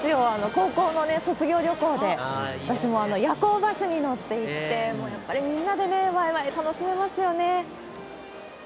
高校の卒業旅行で、私も夜行バスに乗って行って、もういっぱいみんなでわいわい楽しめますよね。